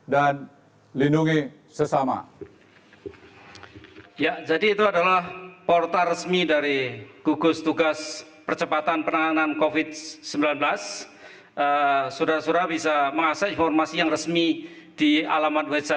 dan lindungi sesama